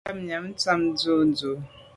Ngabnyàm tshàm ntshob ndù.